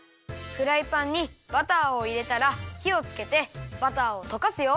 フライパンにバターをいれたらひをつけてバターをとかすよ。